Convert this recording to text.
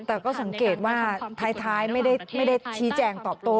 แต่ก็สังเกตว่าท้ายไม่ได้ชี้แจงตอบโต้